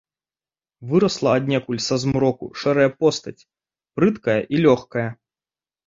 Вырасла аднекуль са змроку шэрая постаць, прыткая і лёгкая.